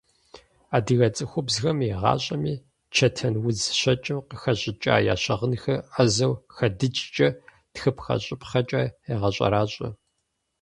Адыгэ цӀыхубзхэм игъащӀэми чэтэнудз щэкӀым къыхэщӀыкӀа я щыгъынхэр Ӏэзэу хэдыкӀкӀэ, тхыпхъэ-щӀыпхъэкӀэ ягъэщӀэращӀэ.